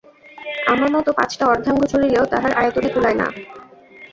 আমার মত পাঁচটা অর্ধাঙ্গ জুড়িলেও তাহার আয়তনে কুলায় না!